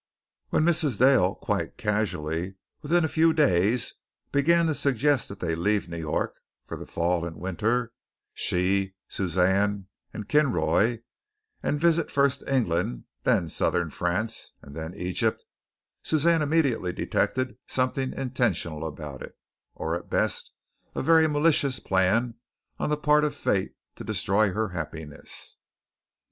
When Mrs. Dale quite casually within a few days began to suggest that they leave New York for the fall and winter, she, Suzanne and Kinroy, and visit first England, then Southern France and then Egypt, Suzanne immediately detected something intentional about it, or at best a very malicious plan on the part of fate to destroy her happiness.